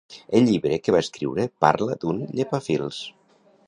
El llibre que va escriure parla d'un llepafils.